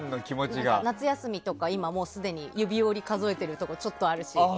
夏休みとかも今、もうすでに指折り数えているところちょっとあるし。